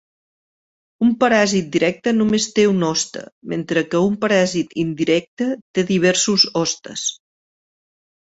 Un paràsit directe només té un hoste, mentre que un paràsit indirecte té diversos hostes.